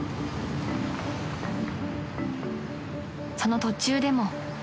［その途中でも］